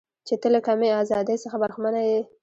چې ته له کمې ازادۍ څخه برخمنه یې.